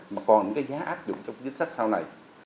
mà còn cái giá áp dụng trong chính sách sau này